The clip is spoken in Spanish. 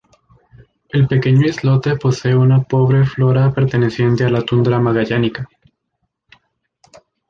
El pequeño islote posee una pobre flora perteneciente a la Tundra Magallánica.